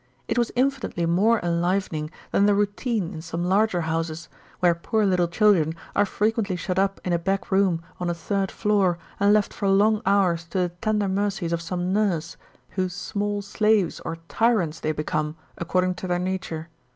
It was infinitely more enlivening than the routine in some larger houses, where poor little children are frequently shut up in a back room on a third floor and left for long hours to the tender mercies of some nurse, whose small slaves or tyrants they become, according to their nature.